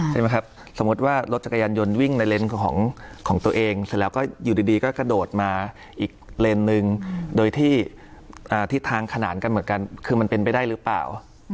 ใช่ไหมครับสมมุติว่ารถจักรยานยนต์วิ่งในเลนส์ของตัวเองเสร็จแล้วก็อยู่ดีก็กระโดดมาอีกเลนส์นึงโดยที่ทิศทางขนานกันเหมือนกันคือมันเป็นไปได้หรือเปล่า